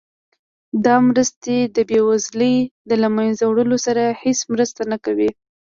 دا مرستې د بیوزلۍ د له مینځه وړلو سره هیڅ مرسته نه کوي.